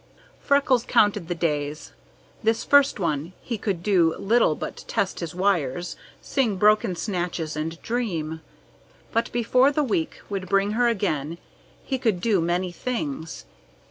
Freckles counted the days. This first one he could do little but test his wires, sing broken snatches, and dream; but before the week would bring her again he could do many things.